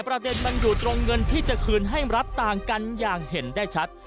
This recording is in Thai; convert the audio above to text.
ประเด็นมันอยู่ตรงเงินที่จะคืนให้รัฐต่างกันอย่างเห็นได้ชัด